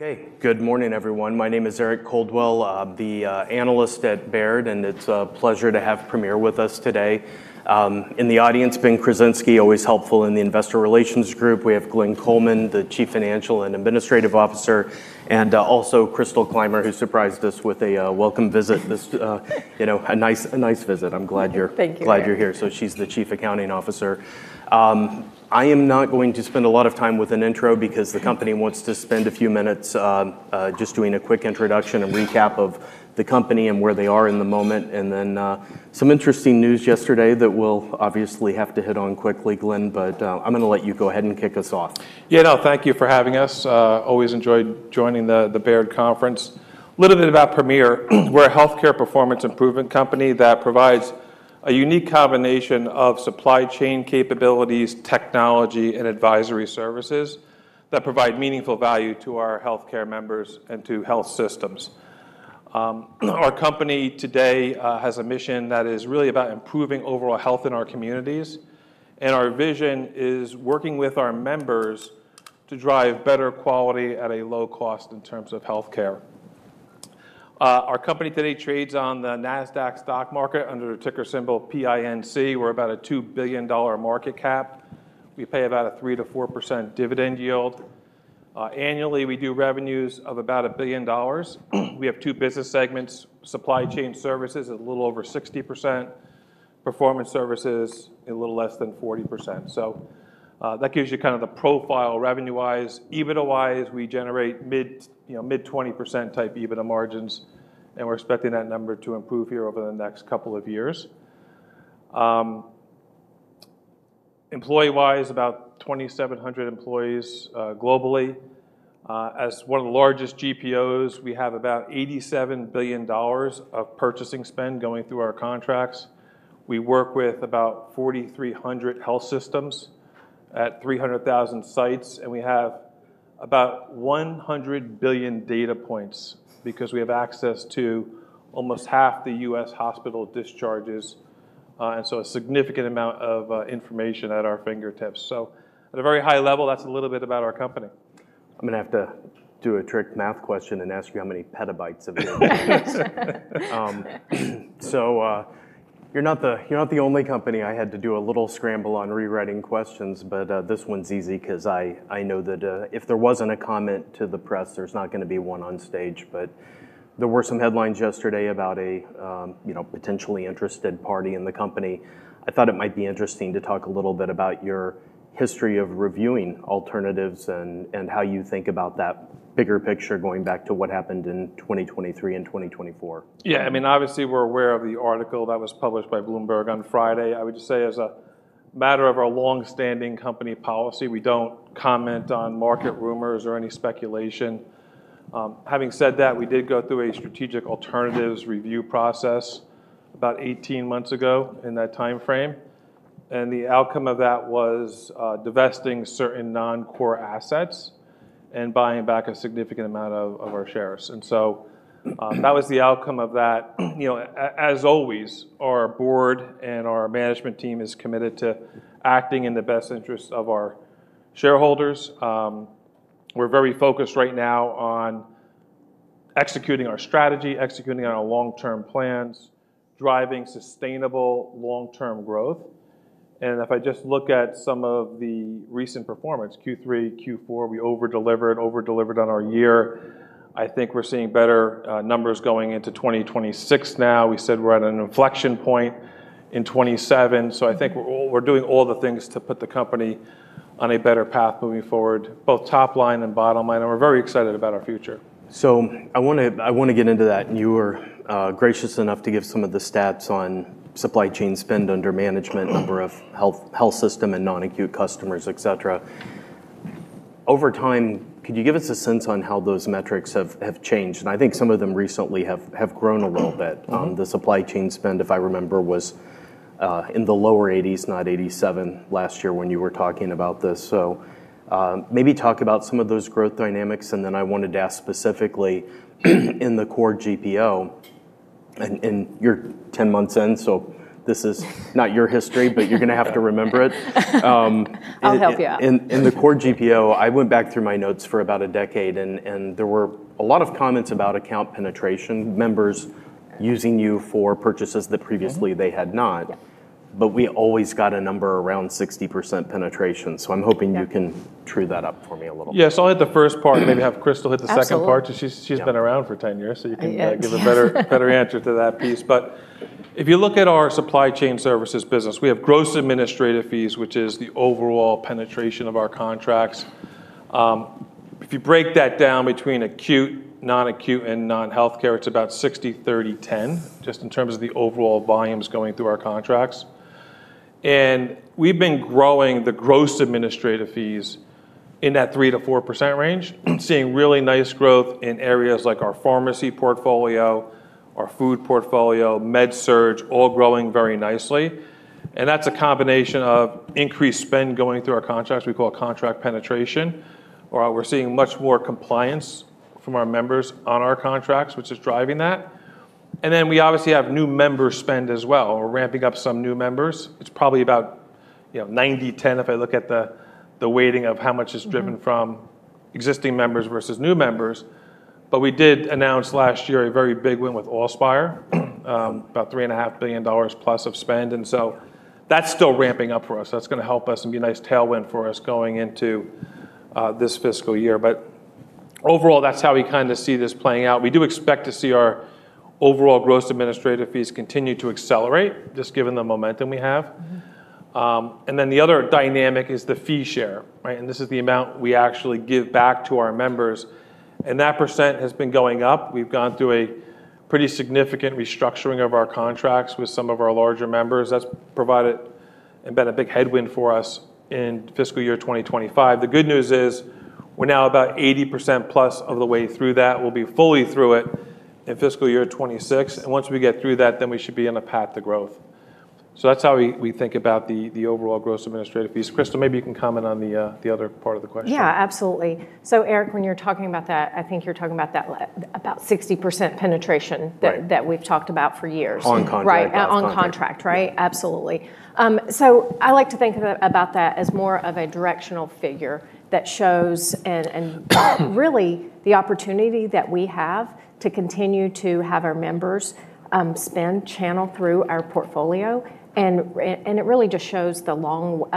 Hey, good morning, everyone. My name is Eric Caldwell, the analyst at Baird, and it's a pleasure to have Premier with us today. In the audience, Ben Krasinski, always helpful in the Investor Relations group. We have Glenn Coleman, the Chief Financial and Administrative Officer, and also Crystal Clymer, who surprised us with a welcome visit. This, you know, a nice visit. I'm glad you're here. She's the Chief Accounting Officer. I am not going to spend a lot of time with an intro because the company wants to spend a few minutes just doing a quick introduction and recap of the company and where they are in the moment. There was some interesting news yesterday that we'll obviously have to hit on quickly, Glenn, but I'm going to let you go ahead and kick us off. Thank you for having us. Always enjoyed joining the Baird conference. A little bit about Premier. We're a healthcare performance improvement company that provides a unique combination of supply chain capabilities, technology, and advisory services that provide meaningful value to our healthcare members and to health systems. Our company today has a mission that is really about improving overall health in our communities. Our vision is working with our members to drive better quality at a low cost in terms of healthcare. Our company today trades on the NASDAQ stock market under the ticker symbol PINC. We're about a $2 billion market cap. We pay about a 3% to 4% dividend yield. Annually, we do revenues of about $1 billion. We have two business segments: supply chain services at a little over 60%, performance services a little less than 40%. That gives you kind of the profile revenue-wise. EBITDA-wise, we generate mid-20% type EBITDA margins, and we're expecting that number to improve here over the next couple of years. Employee-wise, about 2,700 employees globally. As one of the largest GPOs, we have about $87 billion of purchasing spend going through our contracts. We work with about 4,300 health systems at 300,000 sites, and we have about 100 billion data points because we have access to almost half the U.S. hospital discharges. A significant amount of information at our fingertips. At a very high level, that's a little bit about our company. I'm going to have to do a trick math question and ask you how many petabytes of it. You're not the only company I had to do a little scramble on rewriting questions, but this one's easy because I know that if there wasn't a comment to the press, there's not going to be one on stage. There were some headlines yesterday about a potentially interested party in the company. I thought it might be interesting to talk a little bit about your history of reviewing alternatives and how you think about that bigger picture going back to what happened in 2023 and 2024. Yeah, I mean, obviously we're aware of the article that was published by Bloomberg on Friday. I would just say as a matter of our longstanding company policy, we don't comment on market rumors or any speculation. Having said that, we did go through a strategic alternatives review process about 18 months ago in that timeframe. The outcome of that was divesting certain non-core assets and buying back a significant amount of our shares. That was the outcome of that. As always, our Board and our management team is committed to acting in the best interests of our shareholders. We're very focused right now on executing our strategy, executing our long-term plans, driving sustainable long-term growth. If I just look at some of the recent performance, Q3, Q4, we over-delivered, over-delivered on our year. I think we're seeing better numbers going into 2026 now. We said we're at an inflection point in 2027. I think we're doing all the things to put the company on a better path moving forward, both top line and bottom line. We're very excited about our future. I want to get into that. You were gracious enough to give some of the stats on supply chain spend under management, number of health system and non-acute customers, et cetera. Over time, could you give us a sense on how those metrics have changed? I think some of them recently have grown a little bit. The supply chain spend, if I remember, was in the lower 80s, not 87 last year when you were talking about this. Maybe talk about some of those growth dynamics. I wanted to ask specifically in the core GPO, and you're 10 months in, so this is not your history, but you're going to have to remember it. I'll help you out. In the core GPO, I went back through my notes for about a decade, and there were a lot of comments about contract penetration, members using you for purchases that previously they had not. We always got a number around 60% penetration. I'm hoping you can true that up for me a little bit. Yeah, so I'll hit the first part, maybe have Crystal hit the second part because she's been around for 10 years, so you can give a better answer to that piece. If you look at our supply chain services business, we have gross administrative fees, which is the overall penetration of our contracts. If you break that down between acute, non-acute, and non-healthcare, it's about 60-30-10, just in terms of the overall volumes going through our contracts. We've been growing the gross administrative fees in that 3% to 4% range, seeing really nice growth in areas like our pharmacy portfolio, our food portfolio, med-surg, all growing very nicely. That's a combination of increased spend going through our contracts, we call it contract penetration, or we're seeing much more compliance from our members on our contracts, which is driving that. We obviously have new members spend as well. We're ramping up some new members. It's probably about 90-10 if I look at the weighting of how much is driven from existing members versus new members. We did announce last year a very big win with Allspire, about $3.5 billion plus of spend. That's still ramping up for us. That's going to help us and be a nice tailwind for us going into this fiscal year. Overall, that's how we kind of see this playing out. We do expect to see our overall gross administrative fees continue to accelerate, just given the momentum we have. The other dynamic is the fee share, right? This is the amount we actually give back to our members. That percent has been going up. We've gone through a pretty significant restructuring of our contracts with some of our larger members. That's provided and been a big headwind for us in fiscal year 2025. The good news is we're now about 80% plus of the way through that. We'll be fully through it in fiscal year 2026. Once we get through that, then we should be on a path to growth. That's how we think about the overall gross administrative fees. Crystal, maybe you can comment on the other part of the question. Absolutely. Eric, when you're talking about that, I think you're talking about that about 60% penetration that we've talked about for years. On contract. Right, on contract, right? Absolutely. I like to think about that as more of a directional figure that shows really the opportunity that we have to continue to have our members spend channel through our portfolio. It really just shows the long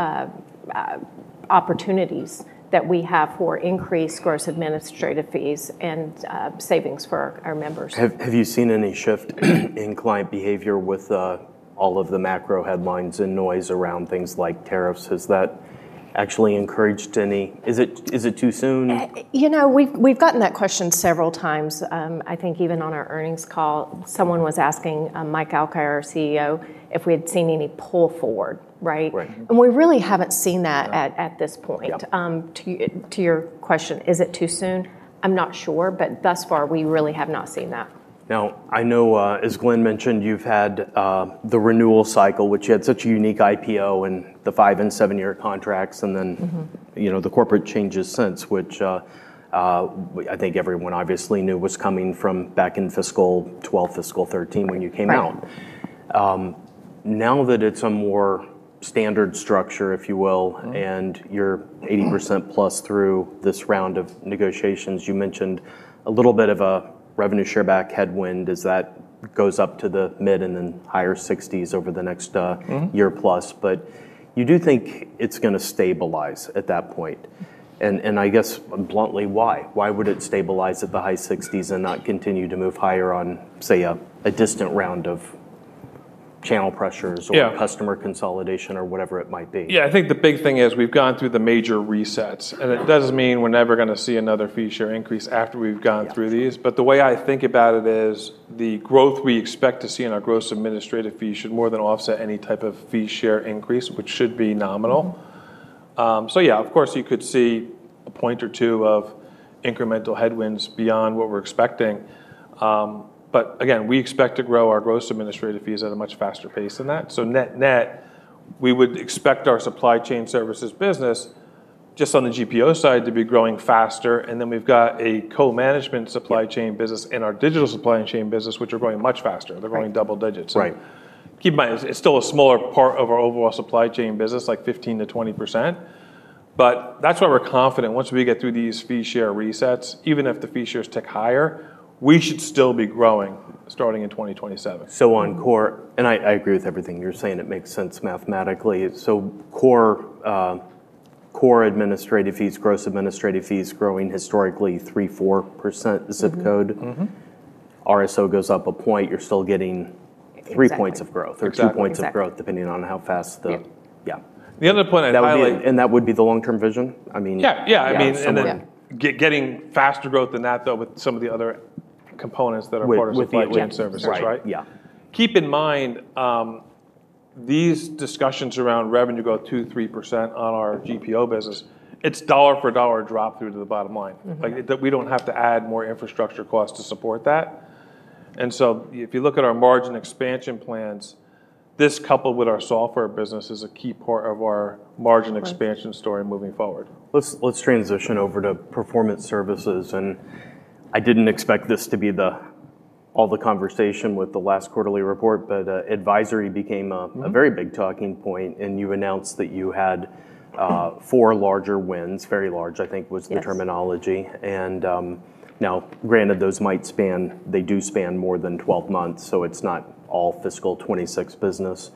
opportunities that we have for increased gross administrative fees and savings for our members. Have you seen any shift in client behavior with all of the macro headlines and noise around things like tariffs? Has that actually encouraged any? Is it too soon? You know, we've gotten that question several times. I think even on our earnings call, someone was asking Mike Alkire, our CEO, if we had seen any pull forward, right? We really haven't seen that at this point. To your question, is it too soon? I'm not sure, but thus far we really have not seen that. Now, I know, as Glenn mentioned, you've had the renewal cycle, which you had such a unique IPO and the five and seven-year contracts, and then, you know, the corporate changes since, which I think everyone obviously knew was coming from back in fiscal 2012, fiscal 2013 when you came out. Now that it's a more standard structure, if you will, and you're 80% plus through this round of negotiations, you mentioned a little bit of a revenue share back headwind as that goes up to the mid and then higher 60% over the next year plus. You do think it's going to stabilize at that point. I guess bluntly, why? Why would it stabilize at the high 60% and not continue to move higher on, say, a distant round of channel pressures or customer consolidation or whatever it might be? I think the big thing is we've gone through the major resets, and it doesn't mean we're never going to see another fee share increase after we've gone through these. The way I think about it is the growth we expect to see in our gross administrative fee should more than offset any type of fee share increase, which should be nominal. Of course, you could see a point or two of incremental headwinds beyond what we're expecting. Again, we expect to grow our gross administrative fees at a much faster pace than that. Net-net, we would expect our supply chain services business, just on the GPO side, to be growing faster. We've got a co-management supply chain business and our digital supply chain business, which are growing much faster. They're growing double digits. Right. Keep in mind, it's still a smaller part of our overall supply chain business, like 15% to 20%. That's why we're confident once we get through these fee share resets, even if the fee shares tick higher, we should still be growing starting in 2027. On core, and I agree with everything you're saying, it makes sense mathematically. Core administrative fees, gross administrative fees growing historically 3%, 4%, zip code. RSO goes up a point, you're still getting 3% of growth or 2% of growth depending on how fast the... Yeah, the other point I'd highlight. That would be the long-term vision? Yeah, I mean, and then getting faster growth than that though with some of the other components that are part of supply chain services, right? Right, yeah. Keep in mind, these discussions around revenue growth 2%, 3% on our GPO business, it's dollar for dollar drop through to the bottom line. We don't have to add more infrastructure costs to support that. If you look at our margin expansion plans, this coupled with our software business is a key part of our margin expansion story moving forward. Let's transition over to performance services. I didn't expect this to be all the conversation with the last quarterly report, but advisory became a very big talking point. You announced that you had four larger wins, very large, I think was the terminology. Granted, those might span, they do span more than 12 months. It's not all fiscal 2026 business.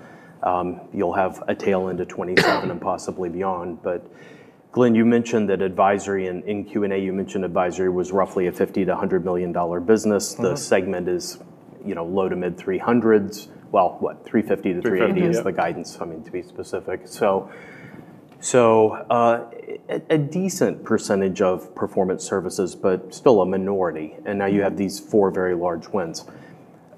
You'll have a tail into 2027 and possibly beyond. Glenn, you mentioned that advisory, and in Q&A, you mentioned advisory was roughly a $50 to $100 million business. The segment is, you know, low to mid $300s. $350 to $380 is the guidance, to be specific. It's a decent percentage of performance services, but still a minority. Now you have these four very large wins.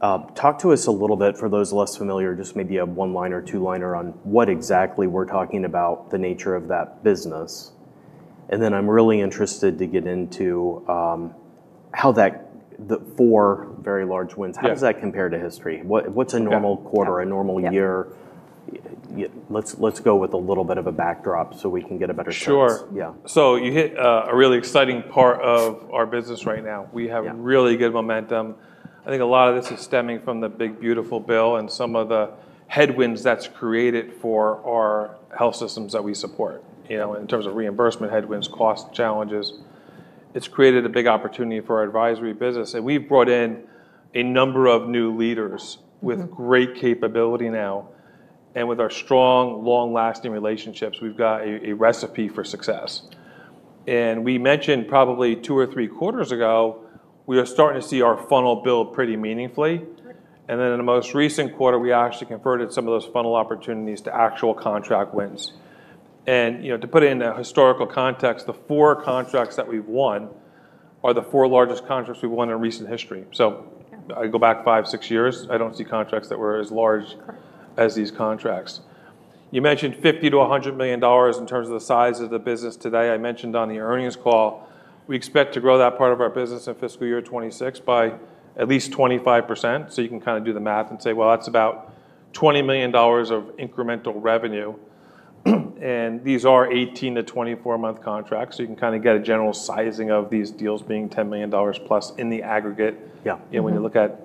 Talk to us a little bit, for those less familiar, just maybe a one-liner, two-liner on what exactly we're talking about, the nature of that business. I'm really interested to get into how that, the four very large wins, how does that compare to history? What's a normal quarter, a normal year? Let's go with a little bit of a backdrop so we can get a better picture. Sure. Yeah. You hit a really exciting part of our business right now. We have really good momentum. I think a lot of this is stemming from the big beautiful bill and some of the headwinds that's created for our health systems that we support, in terms of reimbursement headwinds and cost challenges. It's created a big opportunity for our advisory business. We've brought in a number of new leaders with great capability now, and with our strong, long-lasting relationships, we've got a recipe for success. We mentioned probably two or three quarters ago, we are starting to see our funnel build pretty meaningfully. In the most recent quarter, we actually converted some of those funnel opportunities to actual contract wins. To put it in a historical context, the four contracts that we've won are the four largest contracts we've won in recent history. I go back five, six years, I don't see contracts that were as large as these contracts. You mentioned $50 million to $100 million in terms of the size of the business today. I mentioned on the earnings call, we expect to grow that part of our business in fiscal year 2026 by at least 25%. You can kind of do the math and say, that's about $20 million of incremental revenue. These are 18 to 24 month contracts, so you can kind of get a general sizing of these deals being $10 million plus in the aggregate. Yeah. When you look at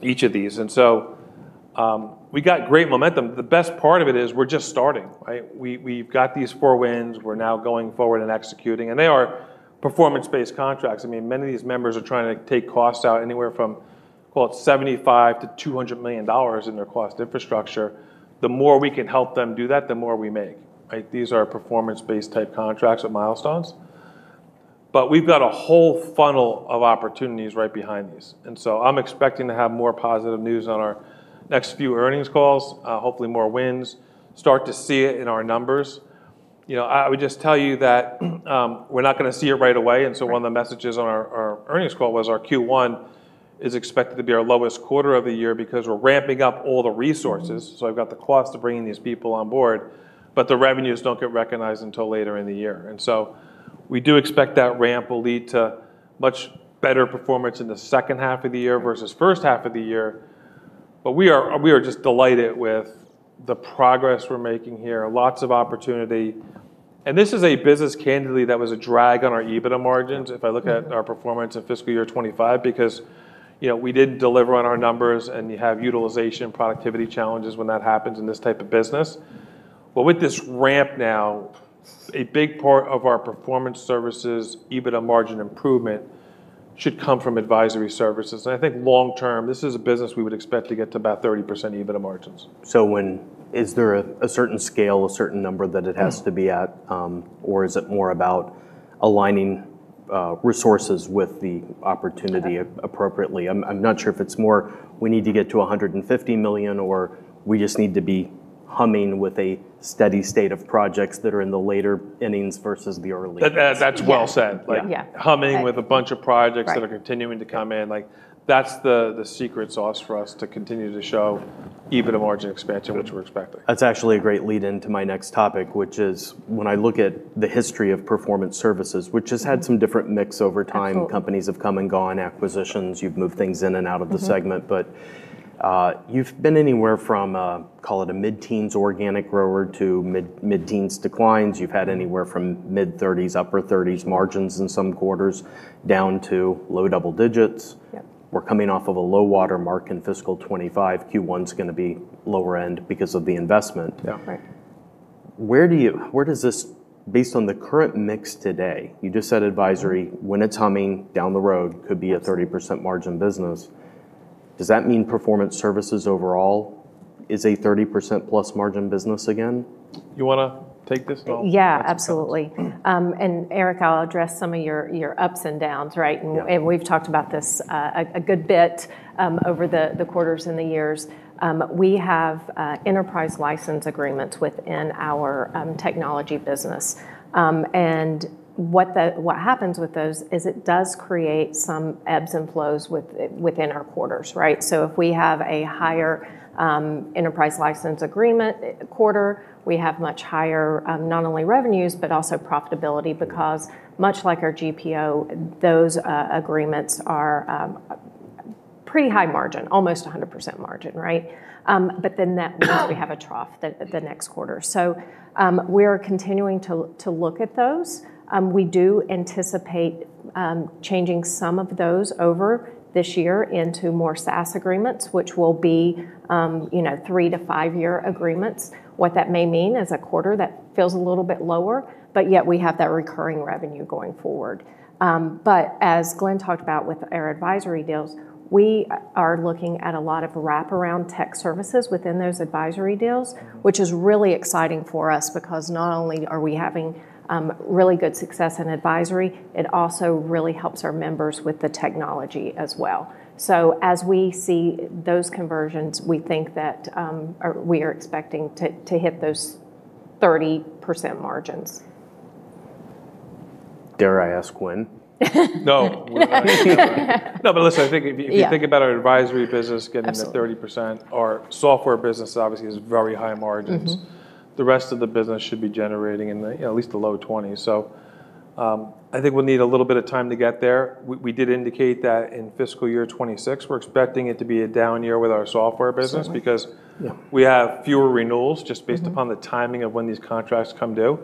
each of these, we got great momentum. The best part of it is we're just starting, right? We've got these four wins. We're now going forward and executing, and they are performance-based contracts. Many of these members are trying to take costs out anywhere from $75 million to $200 million in their cost infrastructure. The more we can help them do that, the more we make. These are performance-based type contracts or milestones. We've got a whole funnel of opportunities right behind these. I'm expecting to have more positive news on our next few earnings calls, hopefully more wins, start to see it in our numbers. I would just tell you that we're not going to see it right away. One of the messages on our earnings call was our Q1 is expected to be our lowest quarter of the year because we're ramping up all the resources. I've got the cost of bringing these people on board, but the revenues don't get recognized until later in the year. We do expect that ramp will lead to much better performance in the second half of the year versus first half of the year. We are just delighted with the progress we're making here, lots of opportunity. This is a business candidly that was a drag on our EBITDA margins. If I look at our performance in fiscal year 2025, because we didn't deliver on our numbers and you have utilization productivity challenges when that happens in this type of business. With this ramp now, a big part of our performance services EBITDA margin improvement should come from advisory services. I think long term, this is a business we would expect to get to about 30% EBITDA margins. Is there a certain scale, a certain number that it has to be at, or is it more about aligning resources with the opportunity appropriately? I'm not sure if it's more we need to get to $150 million or we just need to be humming with a steady state of projects that are in the later innings versus the early. That's well said. Humming with a bunch of projects that are continuing to come in, that's the secret sauce for us to continue to show EBITDA margin expansion, which we're expecting. That's actually a great lead-in to my next topic, which is when I look at the history of performance services, which has had some different mix over time. Companies have come and gone, acquisitions, you've moved things in and out of the segment. You've been anywhere from, call it a mid-teens organic grower to mid-teens declines. You've had anywhere from mid-30s, upper 30s margins in some quarters down to low double digits. We're coming off of a low watermark in fiscal 2025. Q1's going to be lower end because of the investment. Yeah, right. Where does this, based on the current mix today, you just said advisory, when it's humming down the road, could be a 30% margin business. Does that mean performance services overall is a 30%+ margin business again? You want to take this? Yeah, absolutely. Eric, I'll address some of your ups and downs, right? We've talked about this a good bit over the quarters and the years. We have enterprise license agreements within our technology business. What happens with those is it does create some ebbs and flows within our quarters, right? If we have a higher enterprise license agreement quarter, we have much higher not only revenues, but also profitability because much like our GPO, those agreements are pretty high margin, almost 100% margin, right? That means we have a trough the next quarter. We're continuing to look at those. We do anticipate changing some of those over this year into more SaaS agreements, which will be, you know, three to five-year agreements. What that may mean is a quarter that feels a little bit lower, yet we have that recurring revenue going forward. As Glenn talked about with our advisory deals, we are looking at a lot of wraparound tech services within those advisory deals, which is really exciting for us because not only are we having really good success in advisory, it also really helps our members with the technology as well. As we see those conversions, we think that we are expecting to hit those 30% margins. Dare I ask when? No, no, but listen, I think if you think about our advisory business getting to 30%, our software business obviously has very high margins. The rest of the business should be generating in at least the low 20%. I think we'll need a little bit of time to get there. We did indicate that in fiscal year 2026, we're expecting it to be a down year with our software business because we have fewer renewals just based upon the timing of when these contracts come due.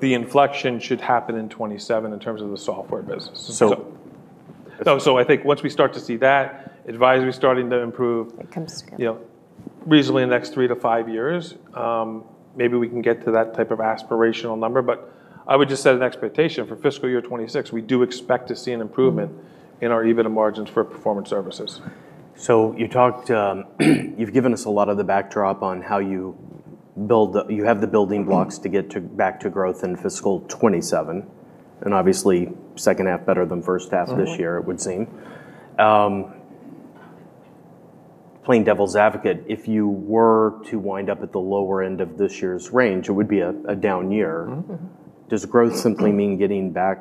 The inflection should happen in 2027 in terms of the software business. I think once we start to see that advisory starting to improve, you know, reasonably in the next three to five years, maybe we can get to that type of aspirational number. I would just set an expectation for fiscal year 2026, we do expect to see an improvement in our EBITDA margins for performance services. You talked, you've given us a lot of the backdrop on how you have the building blocks to get back to growth in fiscal 2027. Obviously, second half better than first half this year, it would seem. Playing devil's advocate, if you were to wind up at the lower end of this year's range, it would be a down year. Does growth simply mean getting back?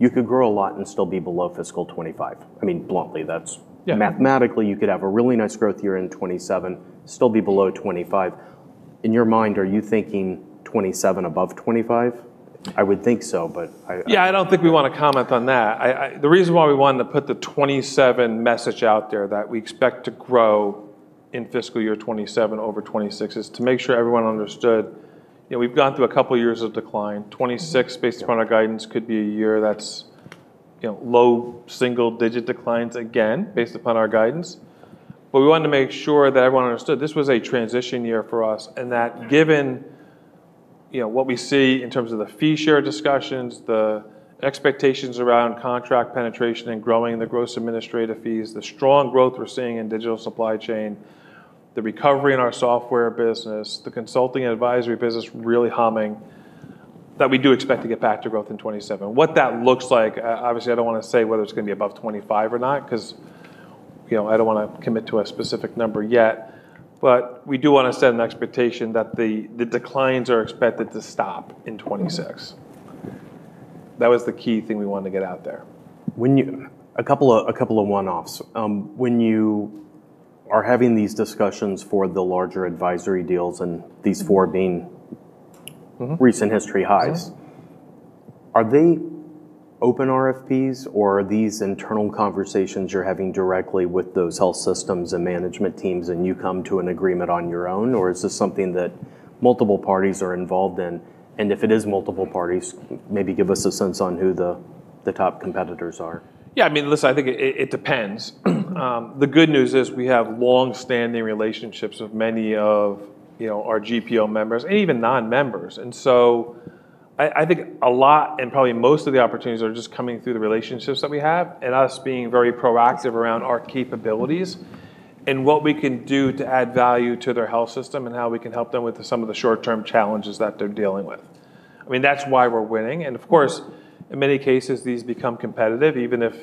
You could grow a lot and still be below fiscal 2025. I mean, bluntly, that's mathematically, you could have a really nice growth year in 2027, still be below 2025. In your mind, are you thinking 2027 above 2025? I would think so, but. Yeah, I don't think we want to comment on that. The reason why we wanted to put the '27 message out there that we expect to grow in fiscal year 2027 over 2026 is to make sure everyone understood. You know, we've gone through a couple of years of decline. 2026, based upon our guidance, could be a year that's, you know, low single-digit declines again, based upon our guidance. We wanted to make sure that everyone understood this was a transition year for us and that given, you know, what we see in terms of the fee share discussions, the expectations around contract penetration and growing the gross administrative fees, the strong growth we're seeing in digital supply chain, the recovery in our software business, the consulting and advisory business really humming, that we do expect to get back to growth in 2027. What that looks like, obviously, I don't want to say whether it's going to be above 2025 or not because, you know, I don't want to commit to a specific number yet. We do want to set an expectation that the declines are expected to stop in 2026. That was the key thing we wanted to get out there. A couple of one-offs. When you are having these discussions for the larger advisory deals and these four being recent history highs, are they open RFPs, or are these internal conversations you're having directly with those health systems and management teams and you come to an agreement on your own, or is this something that multiple parties are involved in? If it is multiple parties, maybe give us a sense on who the top competitors are. Yeah, I mean, listen, I think it depends. The good news is we have longstanding relationships with many of our GPO members and even non-members. I think a lot and probably most of the opportunities are just coming through the relationships that we have and us being very proactive around our capabilities and what we can do to add value to their health system and how we can help them with some of the short-term challenges that they're dealing with. I mean, that's why we're winning. In many cases, these become competitive, even if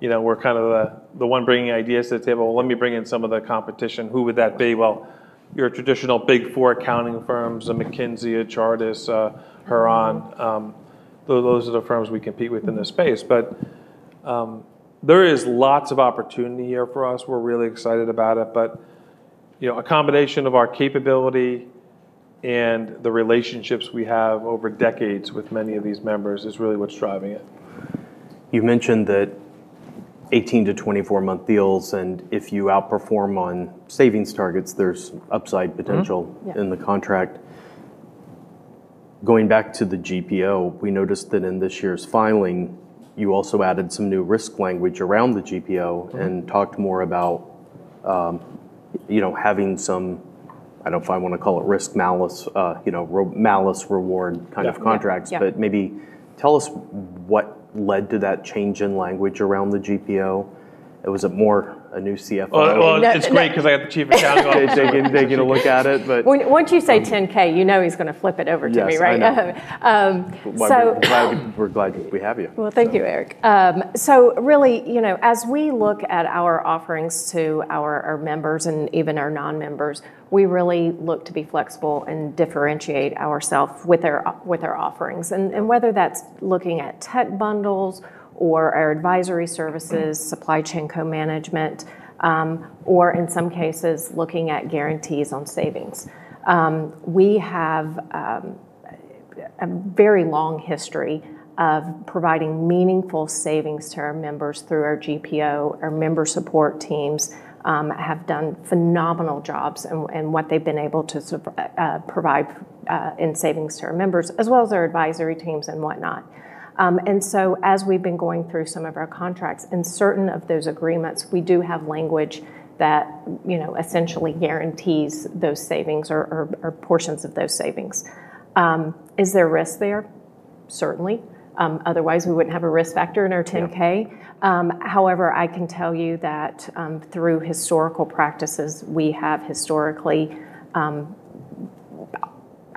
we're kind of the one bringing ideas to the table. Let me bring in some of the competition. Who would that be? Your traditional Big Four accounting firms, a McKinsey, a Chartis, a Huron, those are the firms we compete with in this space. There is lots of opportunity here for us. We're really excited about it. A combination of our capability and the relationships we have over decades with many of these members is really what's driving it. You mentioned that 18 to 24 month deals, and if you outperform on savings targets, there's upside potential in the contract. Going back to the GPO, we noticed that in this year's filing, you also added some new risk language around the GPO and talked more about, you know, having some, I don't know if I want to call it risk malice, you know, malice reward kind of contracts. Maybe tell us what led to that change in language around the GPO. It was a more a new CFO. It's great because I have the Chief Accounting Officer taking a look at it. Once you say 10K, you know he's going to flip it over to me, right? We're glad we have you. Thank you, Eric. As we look at our offerings to our members and even our non-members, we really look to be flexible and differentiate ourselves with our offerings. Whether that's looking at tech bundles or our advisory services, supply chain co-management, or in some cases, looking at guarantees on savings, we have a very long history of providing meaningful savings to our members through our GPO. Our member support teams have done phenomenal jobs in what they've been able to provide in savings to our members, as well as our advisory teams and whatnot. As we've been going through some of our contracts and certain of those agreements, we do have language that essentially guarantees those savings or portions of those savings. Is there risk there? Certainly. Otherwise, we wouldn't have a risk factor in our 10K. However, I can tell you that through historical practices, we have historically,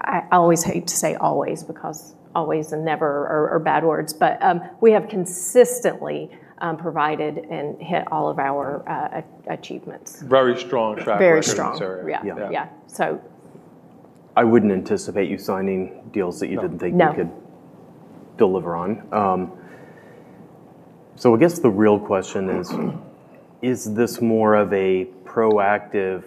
I always hate to say always because always and never are bad words, but we have consistently provided and hit all of our achievements. Very strong track record. Very strong. I wouldn't anticipate you signing deals that you didn't think you could deliver on. I guess the real question is, is this more of a proactive,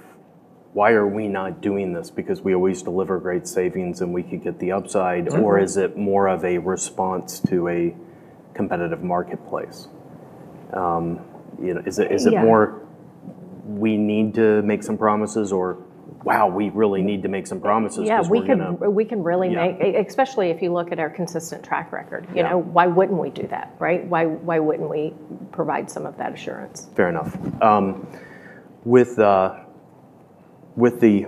why are we not doing this because we always deliver great savings and we could get the upside, or is it more of a response to a competitive marketplace? Is it more, we need to make some promises or wow, we really need to make some promises? Yeah, we can really make, especially if you look at our consistent track record, you know, why wouldn't we do that, right? Why wouldn't we provide some of that assurance? Fair enough. With the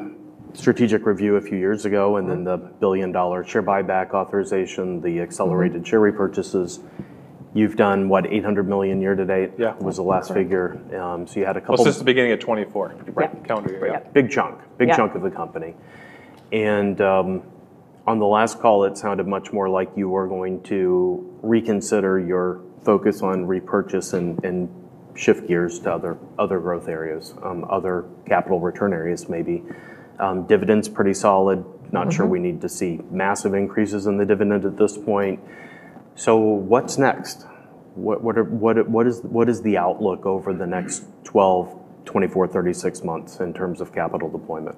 strategic review a few years ago and then the $1 billion share buyback authorization, the accelerated share repurchases, you've done what, $800 million year to date? That was the last figure. You had a couple. This is the beginning of 2024, right? Big chunk, big chunk of the company. On the last call, it sounded much more like you were going to reconsider your focus on repurchase and shift gears to other growth areas, other capital return areas maybe. Dividends pretty solid, not sure we need to see massive increases in the dividend at this point. What's next? What is the outlook over the next 12, 24, 36 months in terms of capital deployment?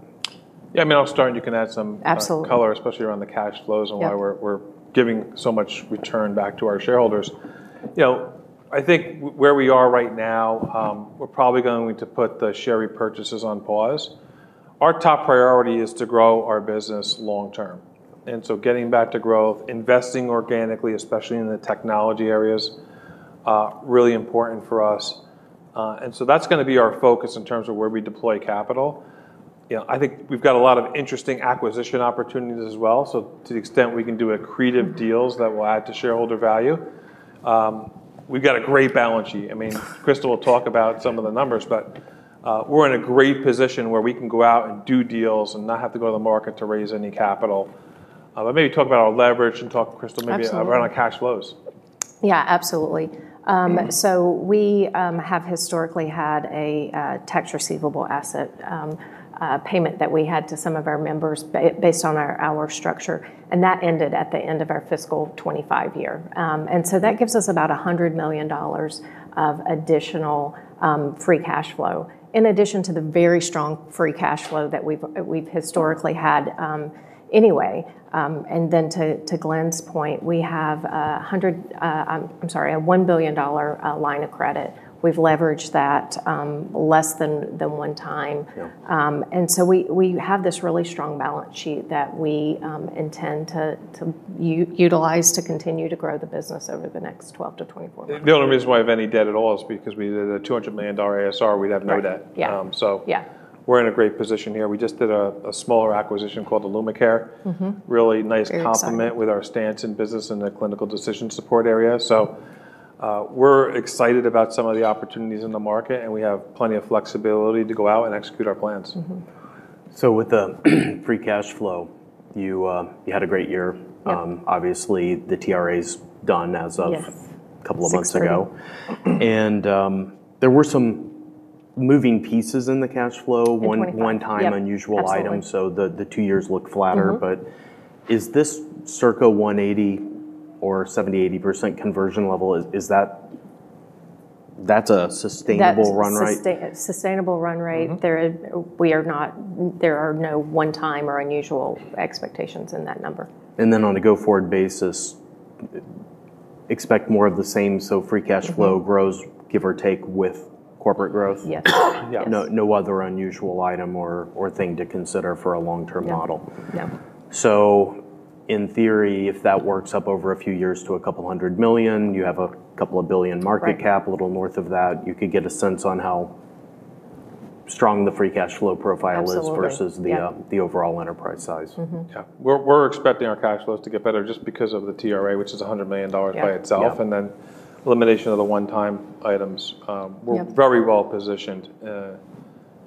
Yeah, I mean, I'll start and you can add some color, especially around the cash flows and why we're giving so much return back to our shareholders. I think where we are right now, we're probably going to put the share repurchases on pause. Our top priority is to grow our business long term. Getting back to growth, investing organically, especially in the technology areas, is really important for us. That's going to be our focus in terms of where we deploy capital. I think we've got a lot of interesting acquisition opportunities as well. To the extent we can do accretive deals that will add to shareholder value, we've got a great balance sheet. Crystal will talk about some of the numbers, but we're in a great position where we can go out and do deals and not have to go to the market to raise any capital. Maybe talk about our leverage and talk, Crystal, maybe around our cash flows. Absolutely. We have historically had a tax receivable payment that we had to some of our members based on our structure. That ended at the end of our fiscal 2025 year, which gives us about $100 million of additional free cash flow in addition to the very strong free cash flow that we've historically had anyway. To Glenn's point, we have a $1 billion line of credit. We've leveraged that less than one time, and we have this really strong balance sheet that we intend to utilize to continue to grow the business over the next 12 to 24 months. The only reason why I have any debt at all is because we did a $200 million RASR, we'd have no debt. We are in a great position here. We just did a smaller acquisition called Illumicare, really nice complement with our stance in business in the clinical decision support area. We are excited about some of the opportunities in the market and we have plenty of flexibility to go out and execute our plans. With the free cash flow, you had a great year. Obviously, the TRA's done as of a couple of months ago, and there were some moving pieces in the cash flow, one-time unusual items. The two years look flatter, but is this circa $180 million or 70-80% conversion level? Is that a sustainable run rate? Sustainable run rate. We are not, there are no one-time or unusual expectations in that number. On a go-forward basis, expect more of the same. Free cash flow grows, give or take with corporate growth. Yes. No other unusual item or thing to consider for a long-term model. In theory, if that works up over a few years to a couple hundred million, you have a couple of billion market capital north of that. You could get a sense on how strong the free cash flow profile is versus the overall enterprise size. Yeah, we're expecting our cash flows to get better just because of the TRA, which is $100 million by itself, and then elimination of the one-time items. We're very well positioned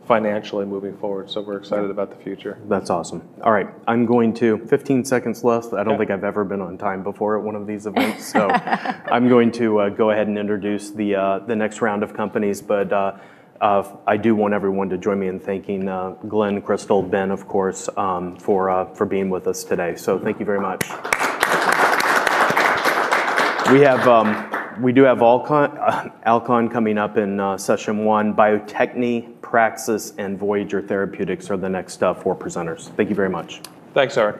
financially moving forward. We're excited about the future. That's awesome. All right, I'm going to, 15 seconds left. I don't think I've ever been on time before at one of these events. I'm going to go ahead and introduce the next round of companies. I do want everyone to join me in thanking Glenn, Crystal, Ben, of course, for being with us today. Thank you very much. We do have Alcon coming up in session one. Bio-Techne, Praxis, and Voyager Therapeutics are the next four presenters. Thank you very much. Thanks, Eric.